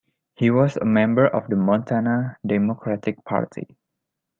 He was a member of the Montana Democratic Party.